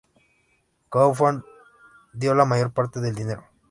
Kauffman dio la mayor parte del dinero.